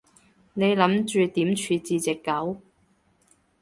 你諗住點處置隻狗？